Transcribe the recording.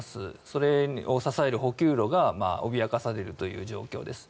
それを支える補給路が脅かされるという状況です。